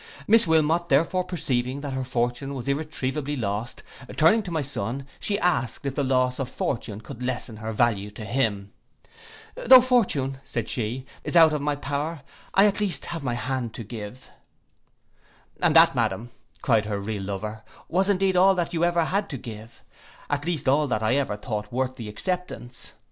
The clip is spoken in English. Miss Wilmot therefore perceiving that her fortune was irretrievably lost, turning to my son, she asked if the loss of fortune could lessen her value to him. 'Though fortune,' said she, 'is out of my power, at least I have my hand to give.' 'And that, madam,' cried her real lover, 'was indeed all that you ever had to give; at least all that I ever thought worth the acceptance.